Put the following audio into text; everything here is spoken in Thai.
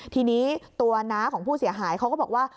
ทีนี้ตัวน้าของผู้เสียหายเขาก็บอกว่า